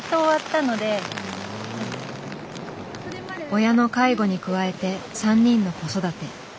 親の介護に加えて３人の子育て。